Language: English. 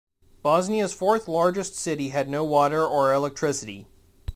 Bosnia's fourth-largest city had no water or electricity.